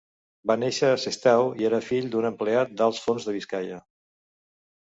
Va néixer a Sestao, i era fill d'un empleat d'Alts Forns de Biscaia.